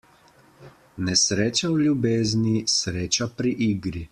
Nesreča v ljubezni, sreča pri igri.